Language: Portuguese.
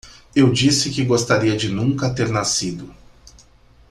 Eu disse que gostaria de nunca ter nascido.